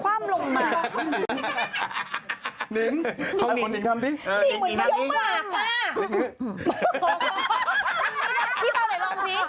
ร้านเหงอีกแต่น่าเกลียด